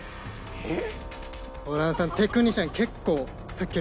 えっ？